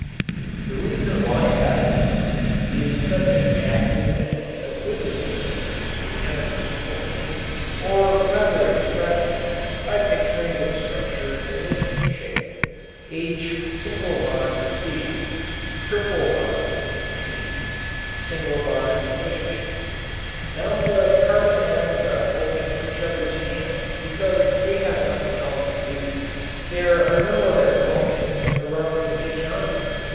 The reason why acetylene is such an active and acquisitive thing the chemist explains, or rather expresses, by picturing its structure in this shape: H C[triple bond]C H Now the carbon atoms are holding each other's hands because they have nothing else to do. There are no other elements around to hitch on to.